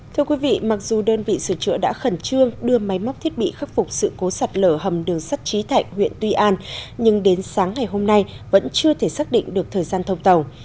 thưa quý vị mặc dù đơn vị sửa chữa đã khẩn trương đưa máy móc thiết bị khắc phục sự cố sạt lở hầm đường sắt trí thạnh huyện tuy an nhưng đến sáng ngày hôm nay vẫn chưa thể xác định được thời gian thông tàu